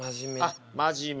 あっ真面目。